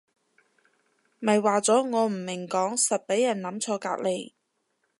咪話咗我唔明講實畀人諗錯隔離